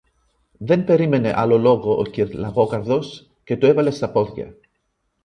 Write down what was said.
Δεν περίμενε άλλο λόγο ο κυρ-Λαγόκαρδος, και το έβαλε στα πόδια.